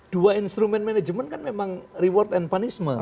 dua instrumen manajemen kan memang reward and punishment